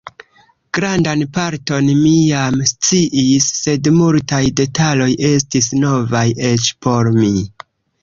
Grandan parton mi jam sciis, sed multaj detaloj estis novaj eĉ por mi.